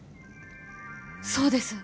そうです